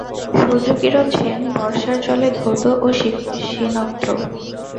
সূর্যকিরণ যেন বর্ষার জলে ধৌত ও সিনগ্ধ।